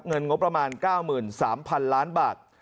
งบประมาณ๙๓๐๐๐ล้านบาท